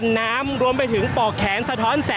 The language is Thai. ก็น่าจะมีการเปิดทางให้รถพยาบาลเคลื่อนต่อไปนะครับ